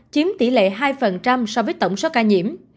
chiếm tỷ lệ hai so với tổng số ca nhiễm